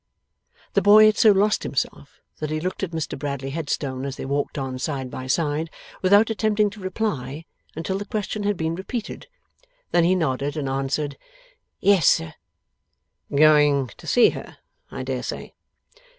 The boy had so lost himself that he looked at Mr Bradley Headstone as they walked on side by side, without attempting to reply until the question had been repeated; then he nodded and answered, 'Yes, sir.' 'Going to see her, I dare say.